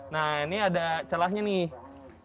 nah ini ada celahnya nih